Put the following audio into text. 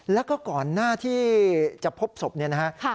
แล้วก็ก่อนหน้าที่จะพบศพเนี่ยนะฮะ